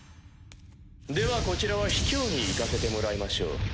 ではこちらは卑怯にいかせてもらいましょう。